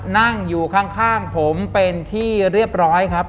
นั่งอยู่ข้างผมเป็นที่เรียบร้อยครับ